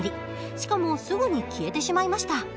しかもすぐに消えてしまいました。